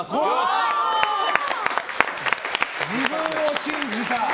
自分を信じた！